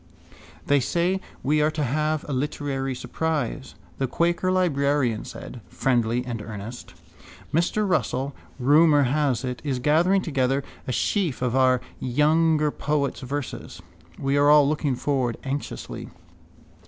—They say we are to have a literary surprise, the quaker librarian said, friendly and earnest. Mr Russell, rumour has it, is gathering together a sheaf of our younger poets' verses. We are all looking forward anxiously.